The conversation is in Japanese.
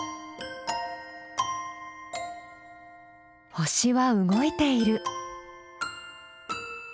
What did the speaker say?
星は動いている。